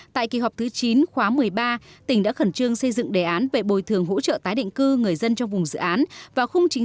tại kỳ họp thứ chín khóa một mươi ba tỉnh đã khẩn trương xây dựng đề án về bồi thường hỗ trợ tái định cảng hàng không quốc tế long thành